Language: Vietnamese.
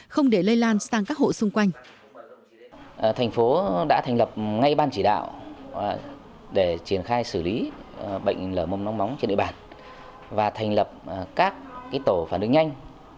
không để lây lan sang các hộ xung quanh